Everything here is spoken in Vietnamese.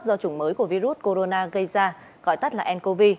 do chủng mới của virus corona gây ra gọi tắt là ncov